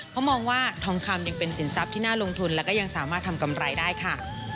เพราะมองว่าทองคำยังเป็นสินทรัพย์ที่น่าลงทุนและก็ยังสามารถทำกำไรได้ค่ะ